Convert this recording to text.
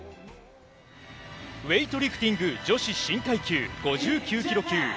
ウエイトリフティング女子新階級、５９キロ級。